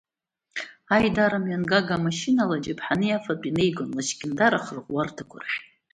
Аидара мҩангага машьына ала аџьаԥҳани афатәи неигон Лашькьындар ахырӷәӷәарҭақәа рахь.